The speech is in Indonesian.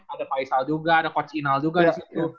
ada pak ishal juga ada coach inal juga disitu